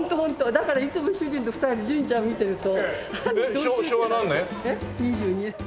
だからいつも主人と２人で純ちゃん見てると「同級生だ！」